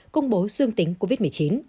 công bố dương tính covid một mươi chín